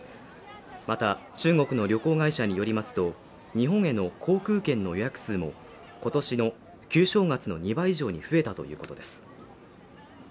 また、中国の旅行会社によりますと、日本への航空券の予約数も今年の旧正月の２倍以上に増えたということです。